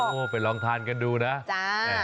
เฮ้อไปลองทานกันดูนะ